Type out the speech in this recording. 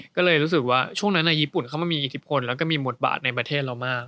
ก็เลยรู้สึกว่าช่วงนั้นญี่ปุ่นเข้ามามีอิทธิพลแล้วก็มีบทบาทในประเทศเรามาก